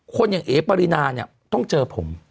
อย่างเอ๋ปรินาเนี่ยต้องเจอผม